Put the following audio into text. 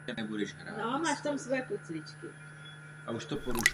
Hrál také v několika filmech vedlejší role.